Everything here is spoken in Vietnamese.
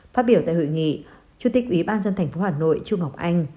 phát biểu tại hội nghị chủ tịch ủy ban dân thành phố hà nội chu ngọc anh